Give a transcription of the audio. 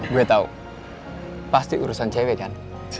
gue tau pasti urusan cewek kan